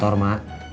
ini saya ga tahu